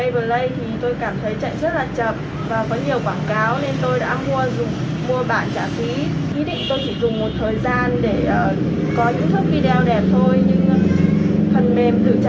ý định tôi chỉ dùng một thời gian để có những thức video đẹp thôi nhưng phần mềm tự trả phí và tự gia hạn nên tôi không dùng nữa